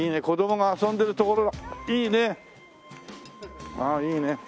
子供が遊んでるところいいね。